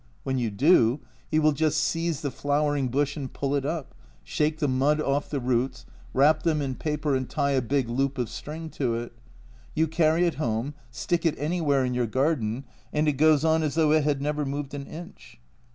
When you do, he will just seize the flowering bush and pull it up, shake the mud off the roots, wrap them in paper and tie a big loop of string to it ; you carry it home, stick it any where in your garden, and it goes on as though it had never moved an inch.